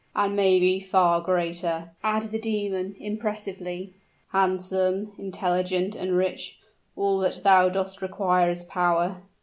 "And may be far greater!" added the demon, impressively. "Handsome, intelligent, and rich all that thou dost require is power!"